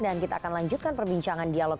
dan kita akan lanjutkan perbincangan dialog